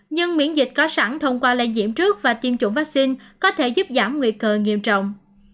nhưng miễn dịch có sẵn thông qua lây nhiễm trước và tiêm chủng vaccine có thể giúp giảm nguy cơ nghiêm trọng